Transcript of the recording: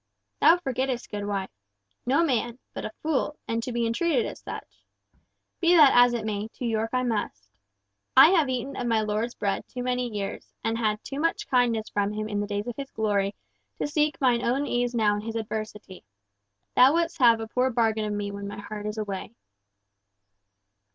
"Thou forgettest, good wife. No man, but a fool, and to be entreated as such! Be that as it may, to York I must. I have eaten of my lord's bread too many years, and had too much kindness from him in the days of his glory, to seek mine own ease now in his adversity. Thou wouldst have a poor bargain of me when my heart is away."